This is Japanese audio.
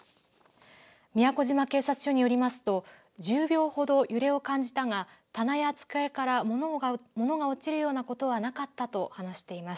宮古島警察署によりますと１０秒ほど揺れを感じたが棚や机から物が落ちるようなことはなかったと話しています。